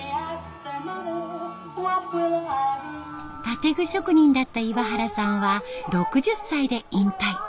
建具職人だった岩原さんは６０歳で引退。